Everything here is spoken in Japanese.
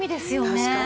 確かに。